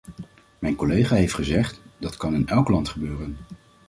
Mijn collega heeft gezegd, dat kan in elk land gebeuren.